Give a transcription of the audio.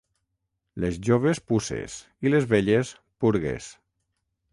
Les joves, puces, i les velles, purgues.